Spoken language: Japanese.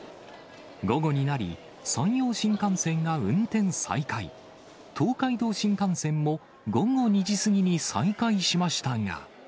午後になり、山陽新幹線が運転再開、東海道新幹線も午後２時過ぎに再開しまし